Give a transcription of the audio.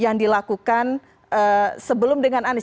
yang dilakukan sebelum dengan anies